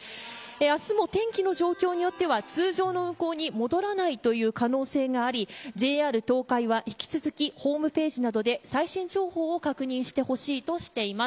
明日も天気の状況によっては通常の運行に戻らないという可能性がありＪＲ東海は引き続きホームページなどで最新情報を確認してほしいとしています。